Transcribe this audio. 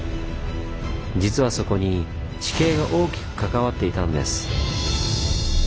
実はそこに地形が大きく関わっていたんです。